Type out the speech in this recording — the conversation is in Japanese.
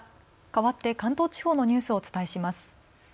かわって関東地方のニュースをお伝えします。